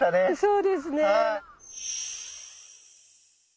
そうですね。